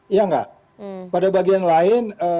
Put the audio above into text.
iya enggak pada bagian lain